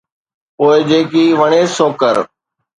پوءِ جيڪي وڻيس سو ڪر.